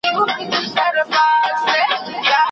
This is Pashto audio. ماته دا عجیبه ښکاره سوه